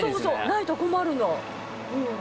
ないと困るのうん。